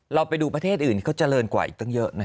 เราไปดูประเทศอื่นที่เขาเจริญกว่าอีกตั้งเยอะนะ